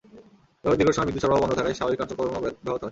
এভাবে দীর্ঘ সময় বিদ্যুৎ সরবরাহ বন্ধ থাকায় স্বাভাবিক কাজকর্ম ব্যাহত হয়।